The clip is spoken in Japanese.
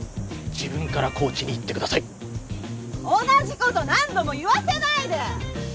自分からコーチに言ってください同じこと何度も言わせないで！